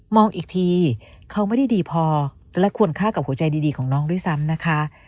อีกทีเขาไม่ได้ดีพอและควรฆ่ากับหัวใจดีของน้องด้วยซ้ำนะคะ